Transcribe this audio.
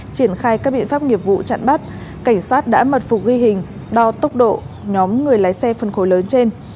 triển khai các biện pháp nghiệp vụ chặn bắt cảnh sát đã mật phục ghi hình đo tốc độ nhóm người lái xe phân khối lớn trên